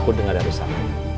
aku dengar yang besar